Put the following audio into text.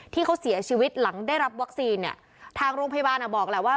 ที่เขาเสียชีวิตหลังได้รับวัคซีนเนี่ยทางโรงพยาบาลอ่ะบอกแหละว่า